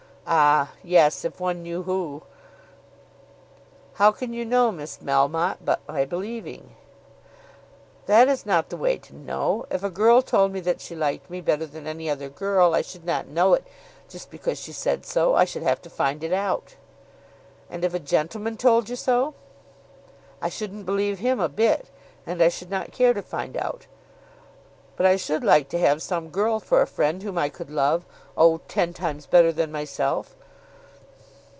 "Ah, yes; if one knew who?" "How can you know, Miss Melmotte, but by believing?" "That is not the way to know. If a girl told me that she liked me better than any other girl, I should not know it, just because she said so. I should have to find it out." "And if a gentleman told you so?" "I shouldn't believe him a bit, and I should not care to find out. But I should like to have some girl for a friend whom I could love, oh, ten times better than myself."